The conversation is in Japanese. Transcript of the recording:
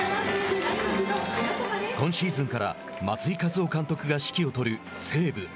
今シーズンから松井稼頭央監督が指揮を執る西武。